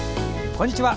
こんにちは。